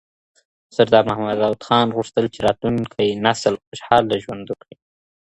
سردار محمد داود خان غوښتل چي راتلونکي نسل خوشحاد ژوند وکړي.